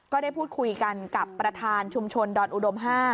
ก็ได้พูดคุยกันกับประธานชุมชนดอนอุดม๕